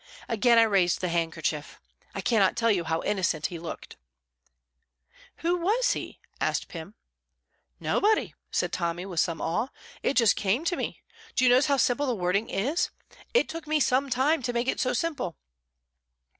Again I raised the handkerchief. I cannot tell you how innocent he looked.'" "Who was he?" asked Pym. "Nobody," said Tommy, with some awe; "it just came to me. Do you notice how simple the wording is? It took me some time to make it so simple."